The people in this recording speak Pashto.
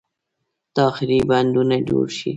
تاخیري بندونه جوړ شي.